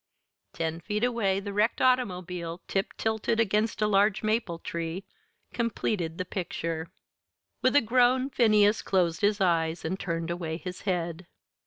Ten feet away the wrecked automobile, tip tilted against a large maple tree, completed the picture. With a groan Phineas closed his eyes and turned away his head.